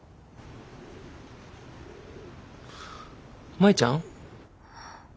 舞ちゃん？